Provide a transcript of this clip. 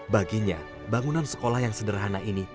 baginya bangunan sekolah yang sederhana ini